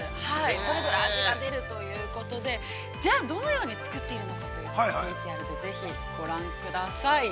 それぞれ味が出るということで、じゃあどのように作っているのかということをＶＴＲでぜひ、ご覧ください。